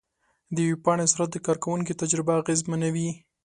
د ویب پاڼې سرعت د کارونکي تجربه اغېزمنوي.